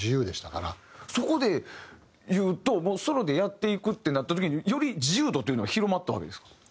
そこでいうともうソロでやっていくってなった時により自由度というのは広まったわけですか？